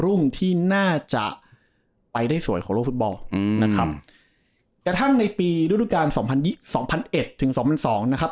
รุ่งที่น่าจะไปได้สวยของโลกฟุตบอลอืมนะครับกระทั่งในปีฤดูการสองพันยี่สองพันเอ็ดถึงสองพันสองนะครับ